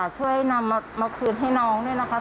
ช่วยนำมาคืนให้น้องด้วยนะคะ